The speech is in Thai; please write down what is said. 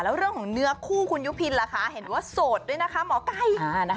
แล้วเรื่องของเนื้อคู่คุณยุพินล่ะคะเห็นว่าโสดด้วยนะคะหมอไก่